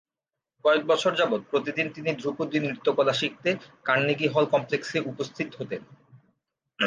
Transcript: কয়েক বছর যাবৎ প্রতিদিন তিনি ধ্রুপদী নৃত্যকলা শিখতে কার্নেগি হল কমপ্লেক্সে উপস্থিত হতেন।